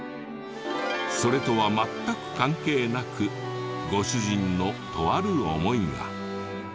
それとは全く関係なくご主人のとある思いが。